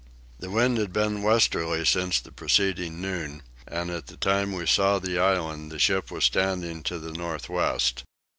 The wind had been westerly since the preceding noon, and at the time we saw the land the ship was standing to the north west.